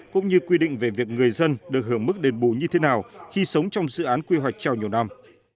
cũng như quy định về việc người dân được hưởng mức đền bù như thế nào khi sống trong dự án quy hoạch treo nhiều năm